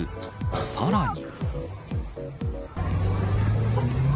さらに。